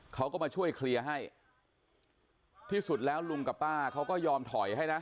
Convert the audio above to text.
เขาก็มาช่วยเคลียร์ให้ที่สุดแล้วลุงกับป้าเขาก็ยอมถอยให้นะ